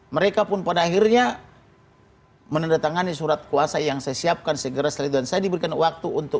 mereka pun pada akhirnya menendatangani surat kuasa yang saya siapkan segera selesai diberikan waktu untuk